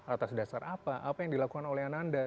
atas dasar apa apa yang dilakukan oleh ananda